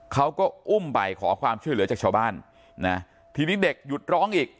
เขาก็อุ้มไปขอความช่วยเหลือจากชาวบ้านนะทีนี้เด็กหยุดร้องอีก